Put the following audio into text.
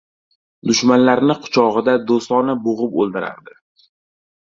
— Dushmanlarini quchog‘ida, do‘stona bo‘g‘ib o‘ldirardi.